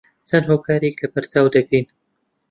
چەند هۆکارێک لەبەرچاو دەگرین